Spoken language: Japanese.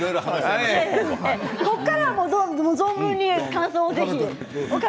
ここからは存分に感想をぜひ。